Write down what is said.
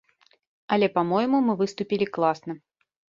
Але, па-мойму, мы выступілі класна.